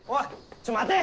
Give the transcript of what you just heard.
ちょっ待て！